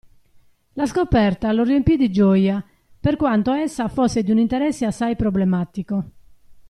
La scoperta lo riempì di gioia, per quanto essa fosse di un interesse assai problematico.